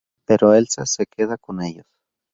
Pero Elsa se queda con ellos.